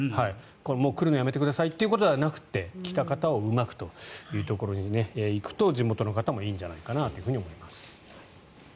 来るのをやめてくださいということではなくて来た方をうまくというところに行くと地元の方もいいんじゃないかなと思います。